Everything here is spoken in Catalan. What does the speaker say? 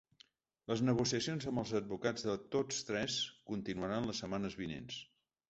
Les negociacions amb els advocats de tots tres continuaran les setmanes vinents.